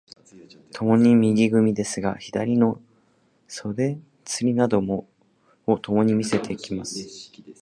共に右組ですが、左の袖釣などをともに見せています。